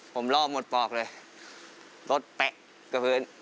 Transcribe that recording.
ผมล่อหมดปอกเลยรถแปะกับพื้น